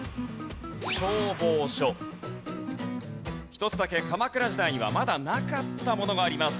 一つだけ鎌倉時代にはまだなかったものがあります。